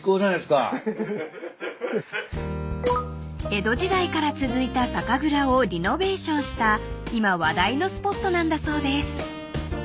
［江戸時代から続いた酒蔵をリノベーションした今話題のスポットなんだそうです］